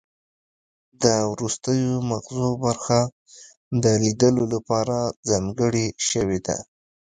د وروستیو مغزو برخه د لیدلو لپاره ځانګړې شوې ده